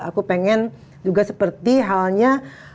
aku pengen juga seperti halnya